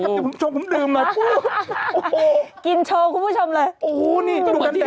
กับผู้ชมผมดื่มหน่อยโอ้โหกินโชว์คุณผู้ชมเลยโอ้โหนี่ก็เหมือนที่